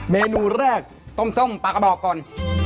เมนูแรกต้มส้มปลากระบอกก่อน